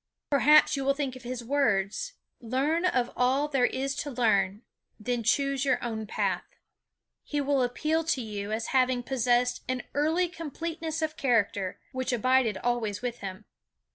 Perhaps you will think of his words: "Learn (of) all there is to learn, then choose your own path." He will appeal to you as having possessed an "early completeness of character," which abided always with him.